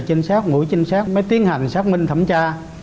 chính xác mũi chính xác mới tiến hành xác minh thẩm tra